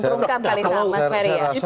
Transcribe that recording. terungkap kali ini mbak eri ya